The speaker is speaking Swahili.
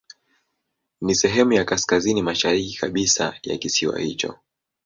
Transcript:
Ni sehemu ya kaskazini mashariki kabisa ya kisiwa hicho.